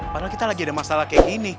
padahal kita lagi ada masalah kayak gini